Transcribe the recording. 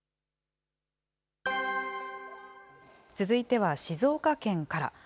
続いては静岡県から。